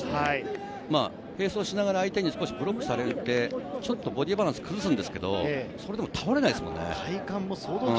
並走しながら相手にブロックされて、ボディーバランスをちょっと崩すんですけど、それでも倒れないですもんね。